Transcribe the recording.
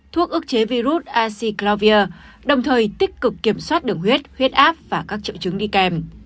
thuốc ước chế virus asi clovier đồng thời tích cực kiểm soát đường huyết huyết áp và các triệu chứng đi kèm